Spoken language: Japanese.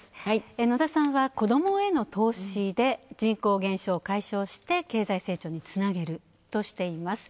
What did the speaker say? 野田さんは子どもへの投資で人口減少を解決して経済成長につなげるとしています。